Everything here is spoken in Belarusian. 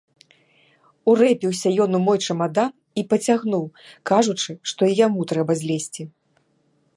Урэпіўся ён у мой чамадан і пацягнуў, кажучы, што і яму трэба злезці.